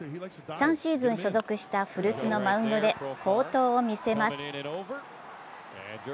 ３シーズン所属した古巣のマウンドで好投を見せます。